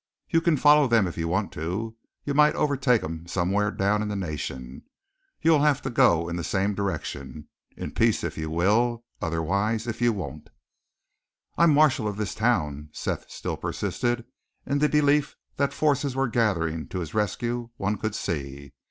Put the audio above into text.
You can follow them if you want to you might overtake 'em somewhere down in the Nation you'll have to go in the same direction, in peace if you will, otherwise if you won't." "I'm marshal of this town," Seth still persisted, in the belief that forces were gathering to his rescue, one could see.